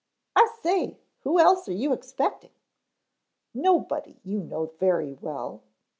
"I say, who else are you expecting?" "Nobody, you know very well."